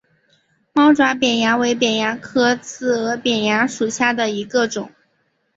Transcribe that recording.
猫爪扁蚜为扁蚜科刺额扁蚜属下的一个种。